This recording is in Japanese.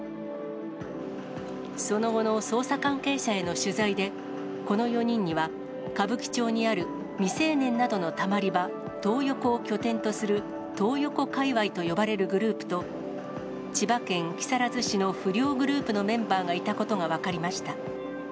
その後の捜査関係者への取材で、この４人には歌舞伎町にある未成年などのたまり場、トー横を拠点とするトー横界隈と呼ばれるグループと、千葉県木更津市の不良グループのメンバーがいたことが分かりました。